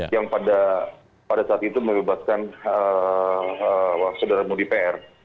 yang pada saat itu melepaskan saudara saudara muli pr